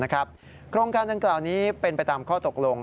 โครงการดังกล่าวนี้เป็นไปตามข้อตกลง